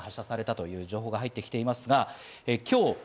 ３発のミサイルが発射されたという情報が入ってきています。